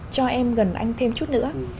cho em gần anh thêm chút nữa